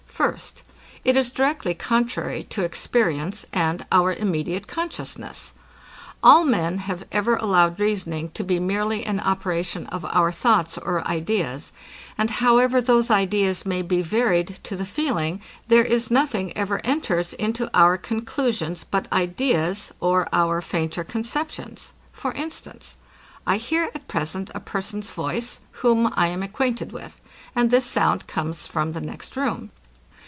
First, It is directly contrary to experience, and our immediate consciousness. All men have ever allowed reasoning to be merely an operation of our thoughts or ideas; and however those ideas may be varied to the feeling, there is nothing ever enters into our conclusions but ideas, or our fainter conceptions. For instance; I hear at present a person's voice, whom I am acquainted with; and this sound comes from the next room.